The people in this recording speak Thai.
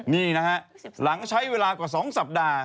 นี่นะฮะหลังใช้เวลากว่า๒สัปดาห์